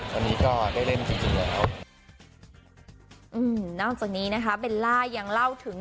ตอนนี้ก็ได้เล่นจริงจริงแล้วอืมนอกจากนี้นะคะเบลล่ายังเล่าถึง